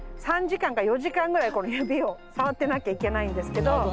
３時間か４時間ぐらいこの指を触ってなきゃいけないんですけど。